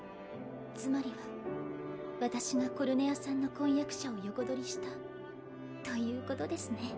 つまりは私がコルネアさんの婚約者を横取りしたということですね